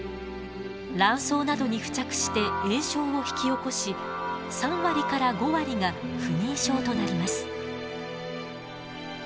卵巣などに付着して炎症を引き起こし３割から５割が不妊症となります。